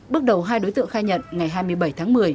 bước đầu hai đối tượng khai nhận ngày hai mươi bảy tháng một mươi